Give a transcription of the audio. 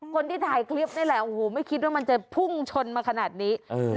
คนที่ถ่ายคลิปนี่แหละโอ้โหไม่คิดว่ามันจะพุ่งชนมาขนาดนี้